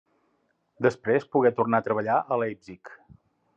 Després pogué tornar a treballar a Leipzig.